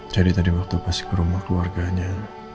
jadi tadi waktu pas ke rumah keluarganya